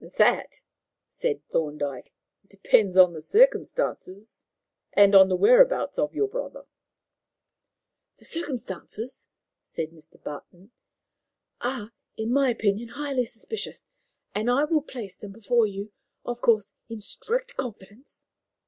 "That," said Thorndyke, "depends on the circumstances and on the whereabouts of your brother." "The circumstances," said Mr. Barton, "are, in my opinion, highly suspicious, and I will place them before you of course, in strict confidence."